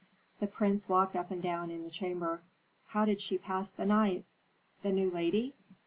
The prince walked up and down in the chamber. "How did she pass the night?" "The new lady?"